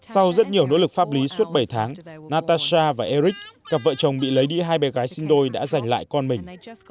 sau rất nhiều nỗ lực pháp lý suốt bảy tháng natasha và eric cặp vợ chồng bị lấy đi hai bé gái sinh đôi đã giành lại con mình